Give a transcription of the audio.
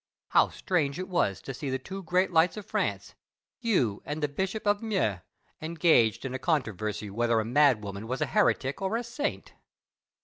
How strange was it to see the two great lights of France, you and the Bishop of Meaux, engaged in a controversy whether a madwoman was a heretic or a saint!